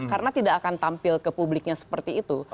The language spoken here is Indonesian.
karena tidak akan tampil ke publiknya seperti itu